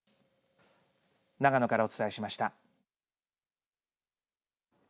長野からお伝えしました。